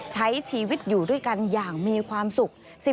ใช้ชีวิตอยู่ด้วยกันอย่างมีความสุข